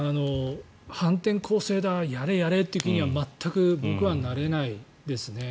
反転攻勢だやれ、やれ的には全く僕はなれないですね。